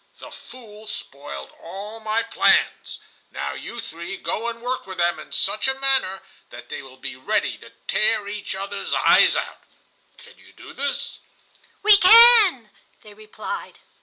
The Fool spoiled all my plans. Now you three go and work with them in such a manner that they will be ready to tear each other's eyes out. Can you do this?" "We can," they replied.